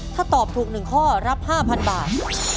ถ้าตอบถูกหนึ่งข้อรับ๕๐๐๐บาท